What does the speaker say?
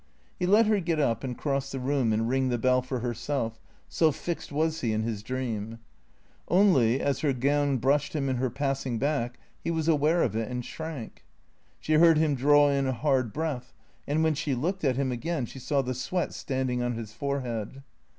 He let her get up and cross the room and ring the bell for herself, so fixed was he in his dream. Only, as her gown brushed him in her passing back, he was aware of it and shrank. She heard him draw in a hard breath, and when she looked at him again she saw the sweat standing on his forehead.